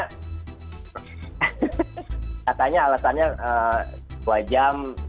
katanya alasannya dua jam